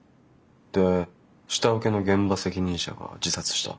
で下請けの現場責任者が自殺した。